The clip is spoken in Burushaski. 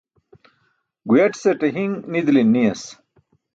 Guyaṭise hiṅ nidilin niyas.